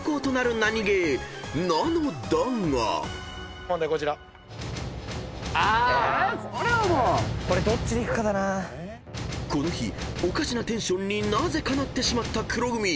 ［この日おかしなテンションになぜかなってしまった黒組］